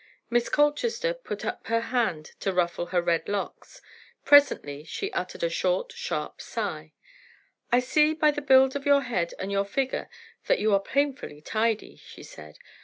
Miss Colchester put up her hand to ruffle her red locks. Presently she uttered a short, sharp sigh. "I see by the build of your head and your figure that you are painfully tidy," she said.